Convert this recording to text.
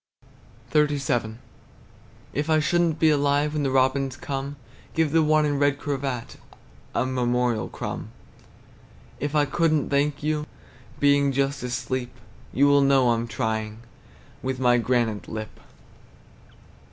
XXXVII. If I should n't be alive When the robins come, Give the one in red cravat A memorial crumb. If I could n't thank you, Being just asleep, You will know I'm trying With my granite lip!